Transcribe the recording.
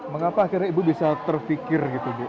mengapa akhirnya ibu bisa terfikir gitu bu